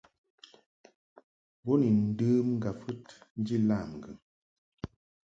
Bo ni ndəm ŋgwafɨd nji lam ŋgɨŋ.